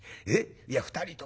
いや２人ともだ。